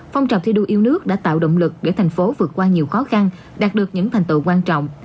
phong trào thi đua yêu nước đã tạo động lực để thành phố vượt qua nhiều khó khăn đạt được những thành tựu quan trọng